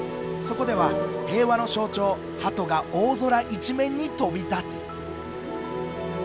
そこでは平和の象徴ハトが大空一面に飛び立つ